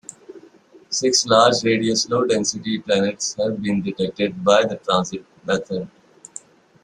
Six large-radius low-density planets have been detected by the transit method.